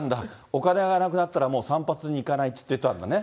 お金がなくなったら、もう散髪に行かないって言ってたんだね。